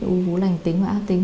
u vú lạnh tính và ác tính